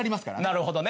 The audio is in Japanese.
なるほどね！